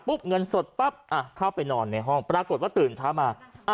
ปุ๊บเงินสดปั๊บอ่ะเข้าไปนอนในห้องปรากฏว่าตื่นช้ามาอ่ะ